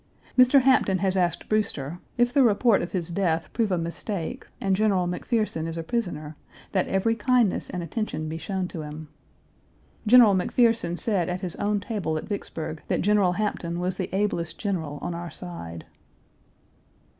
Mr. Hampton has asked Brewster, if the report of his death prove a mistake, and General McPherson is a prisoner, that every kindness and attention be shown to him. General McPherson said at his own table at Vicksburg that General Hampton was the ablest general on our side.